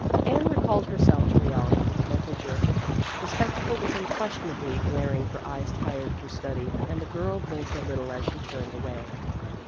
Anne recalled herself to reality with a mental jerk. The spectacle was unquestionably glaring for eyes tired from study, and the girl blinked a little as she turned away.